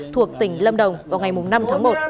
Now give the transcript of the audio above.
thuộc tỉnh lâm đồng vào ngày năm tháng một